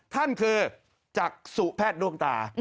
ท่านคือจักษุแพทย์ด้วงตา